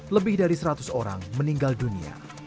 lebih dari seratus orang meninggal dunia